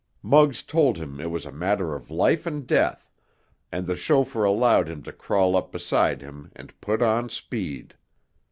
Muggs told him it was a matter of life and death, and the chauffeur allowed him to crawl up beside him and put on speed.